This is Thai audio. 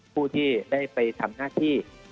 ผู้ที่ได้ไปทำหน้าที่